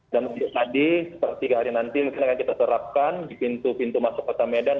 dan seperti tadi tiga hari nanti mungkin akan kita serapkan di pintu pintu masuk kota medan